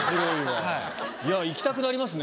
いや行きたくなりますね